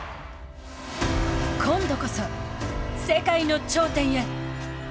今度こそ世界の頂点へ！